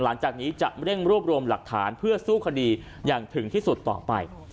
หลังจากนี้จะเร่งรวบรวมหลักฐานเพื่อสู้คดีอย่างถึงที่สุดต่อไป